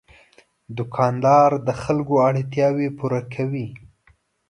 دوکاندار د خلکو اړتیاوې پوره کوي.